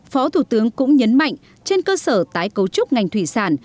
phó thủ tướng cũng nhấn mạnh trên cơ sở tái cấu trúc ngành thủy sản